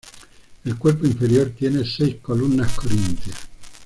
El cuerpo inferior tiene seis columnas corintias.